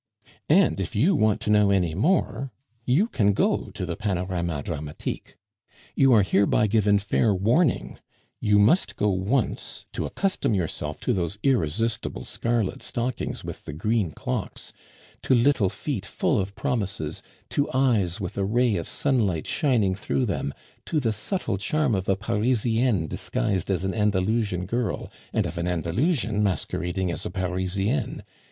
And if you want to know any more, you can go to the Panorama Dramatique. You are hereby given fair warning you must go once to accustom yourself to those irresistible scarlet stockings with the green clocks, to little feet full of promises, to eyes with a ray of sunlight shining through them, to the subtle charm of a Parisienne disguised as an Andalusian girl, and of an Andalusian masquerading as a Parisienne.